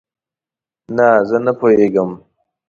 نه، زه نه پوهیږم